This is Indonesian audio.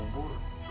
lo kagak percaya